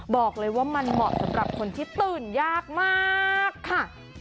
บอกเลยว่ามันเหมาะสำหรับคนที่ตื่นยากมากค่ะ